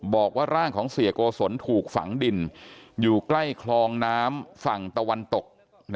บอกว่าร่างของเสียโกศลถูกฝังดินอยู่ใกล้คลองน้ำฝั่งตะวันตก